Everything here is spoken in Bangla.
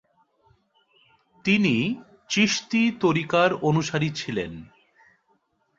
তিনি চিশতি তরিকার অনুসারী ছিলেন।